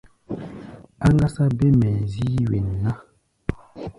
Áŋgásá bêm hɛ̧ɛ̧ zíí wen ná.